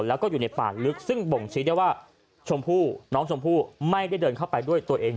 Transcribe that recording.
แล้วก็อยู่ในป่าลึกซึ่งบ่งชี้ได้ว่าชมพู่น้องชมพู่ไม่ได้เดินเข้าไปด้วยตัวเอง